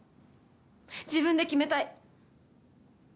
自分で決めたい。